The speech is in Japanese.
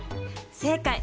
正解！